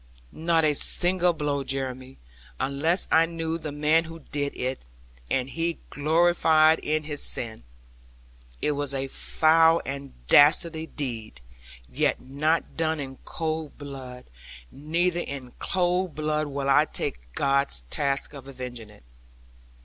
'Not a single blow, Jeremy; unless I knew the man who did it, and he gloried in his sin. It was a foul and dastard deed, yet not done in cold blood; neither in cold blood will I take God's task of avenging it.'